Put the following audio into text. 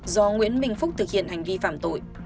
do nguyễn minh phúc thực hiện hành vi phạm tội